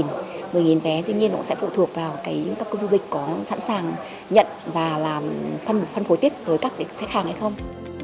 tuy nhiên cũng sẽ phụ thuộc vào các doanh nghiệp có sẵn sàng nhận và phân phối tiếp tới các khách hàng hay không